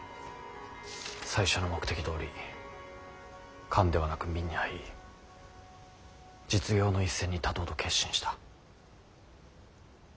最初の目的どおり官ではなく民に入り実業の一線に立とうと決心した。